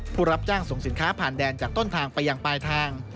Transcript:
ผู้รับจ้างส่งสินค้าผ่านแดนจากต้นทางไปยังปลายทาง